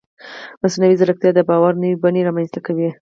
مصنوعي ځیرکتیا د باور نوې بڼې رامنځته کوي.